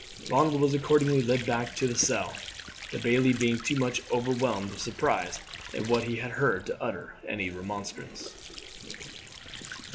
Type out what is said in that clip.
Ronald was accordingly led back to the cell, the bailie being too much overwhelmed with surprise at what he had heard to utter any remonstrance.